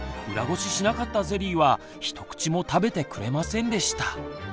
裏ごししなかったゼリーはひと口も食べてくれませんでした。